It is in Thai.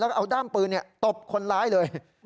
แล้วก็เอาด้ามปืนตบคนร้ายเลย